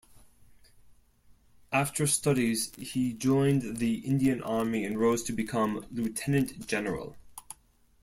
After studies he joined the Indian Army and rose to become Lieutenant General.